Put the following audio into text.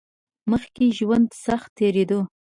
له میلاد مخکې ژوند سخت تېریدو